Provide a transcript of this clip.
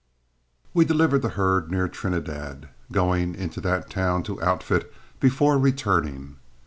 We delivered the herd near Trinidad, going into that town to outfit before returning.